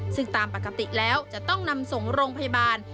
ซึ่งตามปกติแล้วจะต้องนำส่งโรงพยาบาล